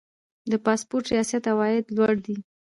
د پاسپورت ریاست عواید لوړ دي